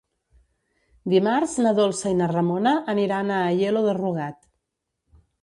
Dimarts na Dolça i na Ramona aniran a Aielo de Rugat.